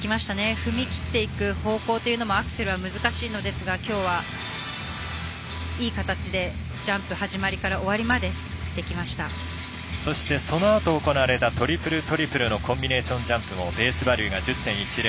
踏み切っていく方向というのもアクセルは難しいのですがきょうはいい形でジャンプ、始まりから終わりまでそして、そのあと行われたトリプル、トリプルのコンビネーションジャンプもベースバリューが１０．１０。